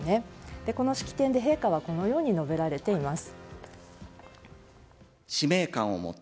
この式典で陛下はこのように述べられています。